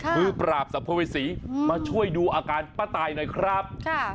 มือปราบสัมภเวษีมาช่วยดูอาการป้าตายหน่อยครับ